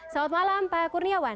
selamat malam pak kurniawan